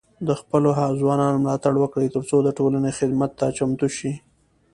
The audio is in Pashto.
د خپلو ځوانانو ملاتړ وکړئ، ترڅو د ټولنې خدمت ته چمتو شي.